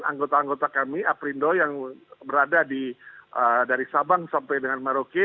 anggota anggota kami aprindo yang berada dari sabang sampai dengan maroke